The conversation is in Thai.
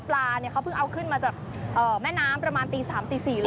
ปลาเนี่ยเขาเพิ่งเอาขึ้นมาจากแม่น้ำประมาณตี๓ตี๔เลย